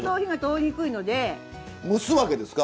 蒸すわけですか？